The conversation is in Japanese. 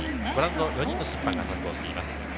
４人の審判が担当しています。